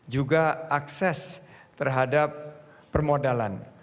juga akses terhadap permodalan